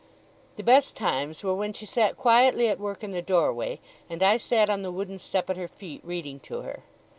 The best times were when she sat quietly at work in the doorway, and I sat on the wooden step at her feet, reading to her.